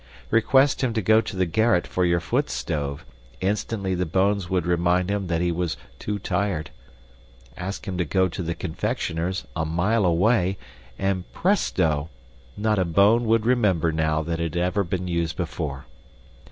Request him to go to the garret for your foot stove, instantly the bones would remind him that he was "too tired." Ask him to go to the confectioner's, a mile away, and PRESTO! not a bone would remember that it had ever been used before.